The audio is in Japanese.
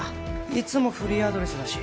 いつもフリーアドレスだし